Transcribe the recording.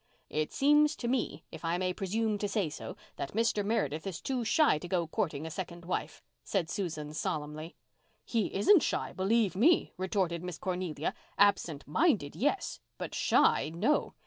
"It seems to me—if I may presume to say so—that Mr. Meredith is too shy to go courting a second wife," said Susan solemnly. "He isn't shy, believe me," retorted Miss Cornelia. "Absent minded,—yes—but shy, no.